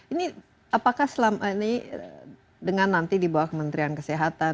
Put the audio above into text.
ini apakah selama ini dengan nanti di bawah kementerian kesehatan